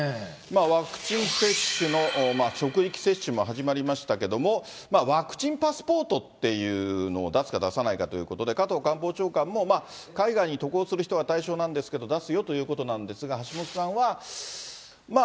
ワクチン接種の職域接種も始まりましたけれども、ワクチンパスポートっていうのを出すか出さないかということで、加藤官房長官も海外に渡航する人が対象なんですけど、出すよということなんですが、橋下さんは、まあ、